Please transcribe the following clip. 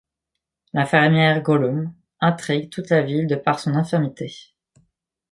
L'infirmière Gollum intrigue toute la ville de par son infirmité.